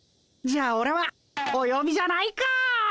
じゃあオレはおよびじゃないか。